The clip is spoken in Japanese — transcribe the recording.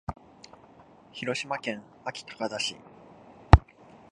広島県安芸高田市